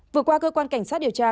vừa qua cơ quan cảnh sát điều tra